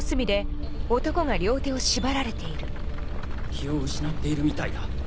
気を失っているみたいだ。